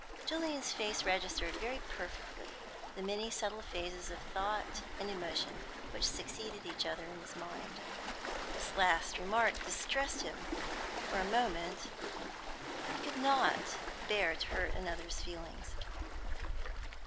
Julian's face registered very perfectly the many subtle phases of thought and emotion which succeeded each other in his mind. This last remark distressed him for a moment; he could not bear to hurt another's feelings.